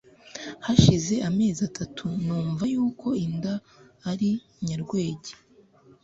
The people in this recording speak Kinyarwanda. hashize amezi atatu numva yuko inda ari nyarwege